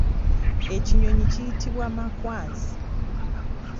Ekinyonyi kiyitibwa makwanzi.